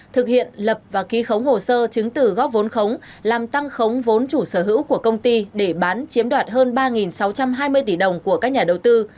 thực hiện lập và ký khống hồ sơ chứng tử góp vốn khống làm tăng khống vốn chủ sở hữu của công ty để bán chiếm đoạt hơn ba sáu trăm hai mươi tỷ đồng của các nhà đầu tư